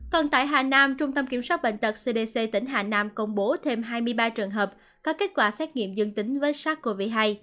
còn tại hà nam trung tâm kiểm soát bệnh tật cdc tỉnh hà nam công bố thêm hai mươi ba trường hợp có kết quả xét nghiệm dương tính với sars cov hai